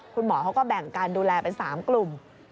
คุณหมอเขาก็แบ่งการดูแลเป็น๓กลุ่ม